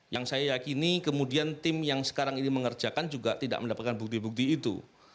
yang saya yakini kemudian tim yang sekarang ini mengerjakan juga tidak mendapatkan bukti bukti itu